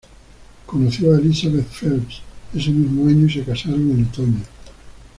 Conoció a Elizabeth Phelps ese mismo año y se casaron en otoño.